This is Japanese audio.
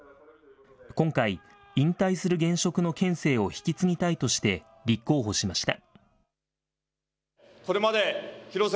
今回、引退する現職の県政を引き継ぎたいとして、立候補しました。